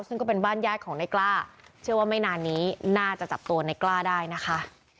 ซึ่งก็เป็นบ้านญาติของในกล้าเชื่อว่าไม่นานนี้น่าจะจับตัวในกล้าได้นะคะ